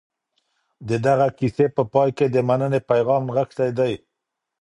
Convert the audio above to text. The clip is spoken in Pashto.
د دغي کیسې په پای کي د مننې پیغام نغښتی دی.